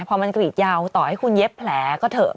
พอมันกรีดยาวต่อให้คุณเย็บแผลก็เถอะ